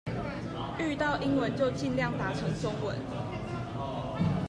遇到英文就儘量打成中文